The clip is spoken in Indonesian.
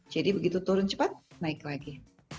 jadi begitu turun cepat naik lagi